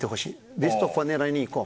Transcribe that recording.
ベスト４狙いにいこう。